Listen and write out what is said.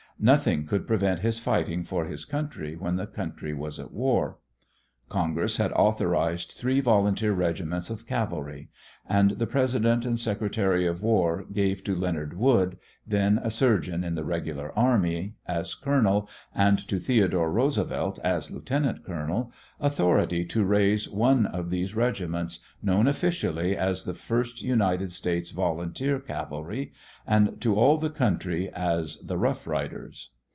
Nothing could prevent his fighting for his country when the country was at war. Congress had authorized three volunteer regiments of Cavalry, and the President and the Secretary of War gave to Leonard Wood then a surgeon in the Regular Army as colonel, and to Theodore Roosevelt, as lieutenant colonel, authority to raise one of these regiments, known officially as the First United States Volunteer Cavalry, and to all the country as the "Rough Riders."